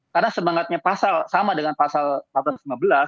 karena semangatnya pasal sama dengan pasal empat belas dan lima belas